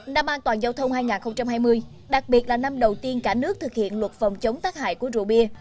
năm an toàn giao thông hai nghìn hai mươi đặc biệt là năm đầu tiên cả nước thực hiện luật phòng chống tác hại của rượu bia